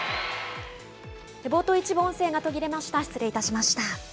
冒頭、一部音声が途切れました、失礼いたしました。